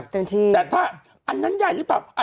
แต่ถ้าอันนั้นใหญ่หรือเปล่า